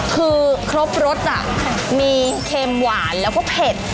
คือครบรสมีเค็มหวานแล้วก็เผ็ด